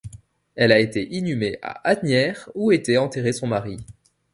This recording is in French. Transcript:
Elle a été inhumée à Asnières, où était enterré son mari.